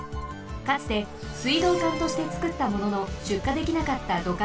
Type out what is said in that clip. かつて水道管としてつくったもののしゅっかできなかった土管です。